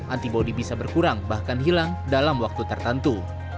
antibody bisa berkurang bahkan hilang dalam waktu tertentu